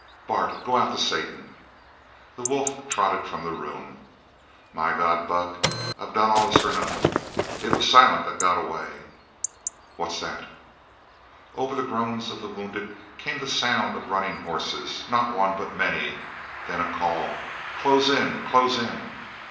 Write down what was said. "Bart, go out to Satan!" The wolf trotted from the room. "My God, Buck, I've done all this for nothin'! It was Silent that got away!" "What's that?" Over the groans of the wounded came the sound of running horses, not one, but many, then a call: "Close in! Close in!"